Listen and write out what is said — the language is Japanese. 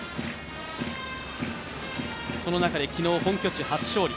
その中で昨日、本拠地初勝利。